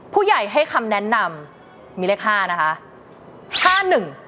ผู้ใหญ่ให้คำแนะนำมีเลข๕นะคะ